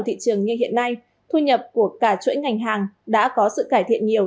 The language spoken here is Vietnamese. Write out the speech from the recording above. thị trường như hiện nay thu nhập của cả chuỗi ngành hàng đã có sự cải thiện nhiều